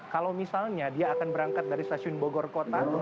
kalau misalnya dia akan berangkat dari stasiun bogor kota